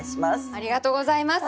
ありがとうございます。